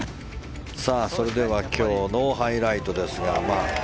それでは今日のハイライトです。